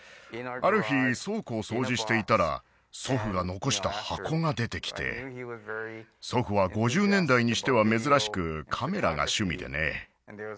ある日倉庫を掃除していたら祖父が残した箱が出てきて祖父は５０年代にしては珍しくカメラが趣味でね